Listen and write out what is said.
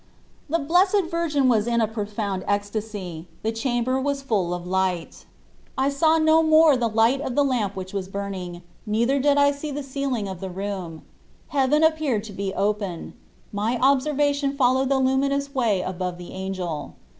The Blessed Virgin was in a profound ecstasy ; the chamber was full of light. I ut Xorfc 3esus Gbrist. 23 saw no more the light of the lamp which was burning, neither did I see the ceiling of the room. Heaven appeared to be open ; my observation followed the lumin ous way above the angel.